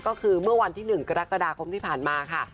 ก็คือเมื่อวันที่๑กรกฎาคมที่ผ่านมาค่ะ